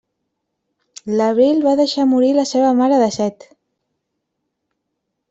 L'Abril va deixar morir la seva mare de set.